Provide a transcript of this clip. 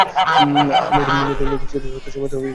আমুর নদী চীন-রুশ উত্তর সীমান্ত নির্ধারণ করেছে।